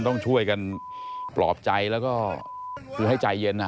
ต้องช่วยกันปลอบใจแล้วก็คือให้ใจเย็น